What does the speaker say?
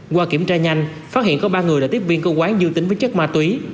qua kiểm tra nhanh phát hiện có ba người đã tiếp viên cơ quán dương tính với chất ma túy